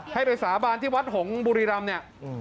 ให้ไปสาบานที่วัดหงษ์บุรีรำเนี่ย